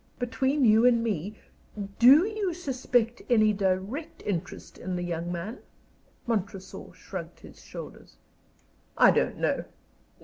"Between you and me, do you suspect any direct interest in the young man?" Montresor shrugged his shoulders. "I don't know.